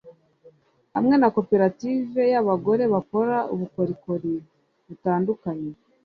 hamwe na koperative y’abagore bakora ubukorikori butandukanye